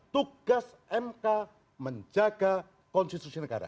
tugas mk menjaga konstitusi negara